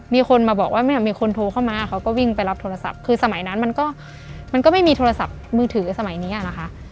มีคนมาบอกว่ามีคนโทรเข้ามาเขาก็วิ่งไปรับโทรศัพท์คือสมัยนั้นมันก็มันก็ไม่มีโทรศัพท์มือถือสมัยนี้นะคะ